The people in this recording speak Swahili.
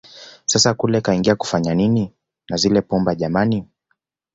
Sasa kule kaingia kufanya nini na zile pumba jamani